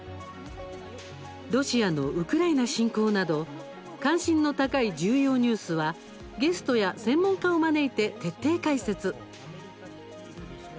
ロシアのウクライナ侵攻など関心の高い重要ニュースはゲストや専門家を招いて徹底解説。